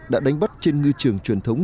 đã đánh bắt trên ngư trường truyền thống